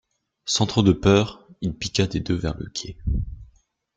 Sans trop de peur, il piqua des deux vers le quai.